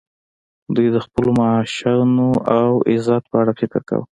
دوی د خپلو معاشونو او عزت په اړه فکر کاوه